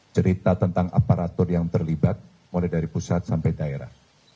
cerita tentang aparatur yang terlibat mulai dari pusat sampai daerah